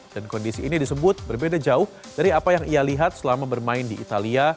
dan kondisi ini disebut berbeda jauh dari apa yang ia lihat selama bermain di italia